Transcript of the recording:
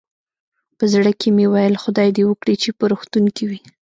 په زړه کې مې ویل، خدای دې وکړي چې په روغتون کې وي.